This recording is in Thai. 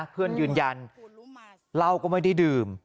เพื่อนยืนยันเล่าก็ไม่ได้ดื่ม